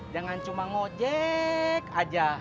jangan cuma ngojek aja